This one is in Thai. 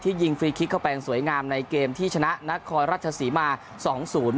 ที่ยิงฟรีคิกเข้าแปลงสวยงามในเกมที่ชนะนักคอยรัชศรีมาสองศูนย์